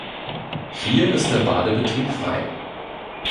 Hier ist der Badebetrieb frei.